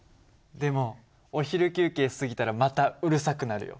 でもお昼休憩過ぎたらまたうるさくなるよ。